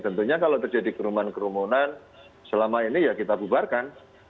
tentunya kalau terjadi kerumunan kerumunan selama ini ya kita bubarkan